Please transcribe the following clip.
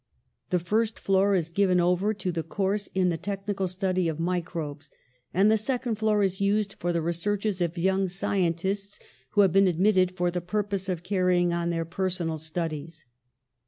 The first floor is given over to the course in the technical study of microbes, and the second floor is used for the researches of young scientists who have been admitted for the purpose of carrying on their personal studies.